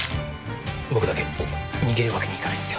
僕だけ逃げるわけにいかないっすよ。